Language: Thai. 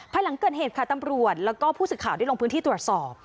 หลังเกิดเหตุค่ะตำรวจแล้วก็ผู้สื่อข่าวได้ลงพื้นที่ตรวจสอบ